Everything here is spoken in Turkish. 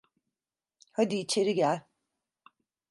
Hadi içeri gel.